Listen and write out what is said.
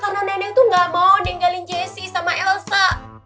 karena neneng tuh gak mau ninggalin jessy sama elsa